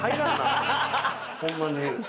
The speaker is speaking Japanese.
ホンマに。